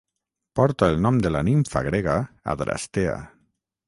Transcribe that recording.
Porta el nom de la nimfa grega Adrastea.